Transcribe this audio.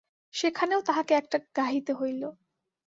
সেখানেও তাহাকে একটা গাহিতে হইল।